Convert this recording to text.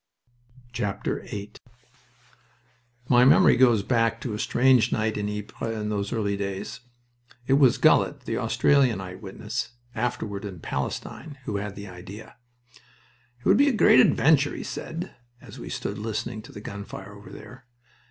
VIII My memory goes back to a strange night in Ypres in those early days. It was Gullett, the Australian eyewitness, afterward in Palestine, who had the idea. "It would be a great adventure," he said, as we stood listening to the gun fire over there.